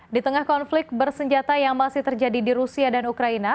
di tengah konflik bersenjata yang masih terjadi di rusia dan ukraina